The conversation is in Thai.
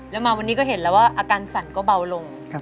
แล้วมาวันนี้ก็เห็นแล้วว่าอาการสั่นก็เบาลง